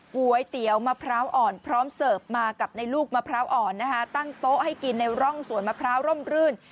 ก๋วยเตี๋ยวมะพร้าวอ่อนพร้อมเสิร์ฟมากับในลูกมะพร้าวอ่อนนะคะตั้งโต๊ะให้กินในร่องสวนมะพร้าวร่มรื่น